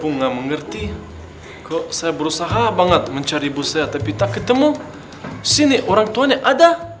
enggak mengerti kok saya berusaha banget mencari ibu saya tapi tak ketemu sini orang tuanya ada